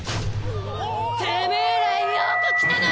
てめえらよくきたな！